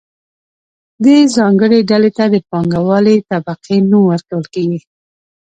دې ځانګړې ډلې ته د پانګوالې طبقې نوم ورکول کیږي.